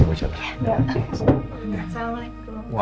makasih banyak bu junta